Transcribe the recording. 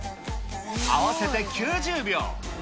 合わせて９０秒。